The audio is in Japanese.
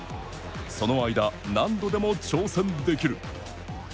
その間、何度でも挑戦できる。